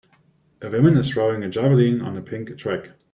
A woman is throwing a javelin on a pink track.